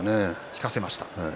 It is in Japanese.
引かせました。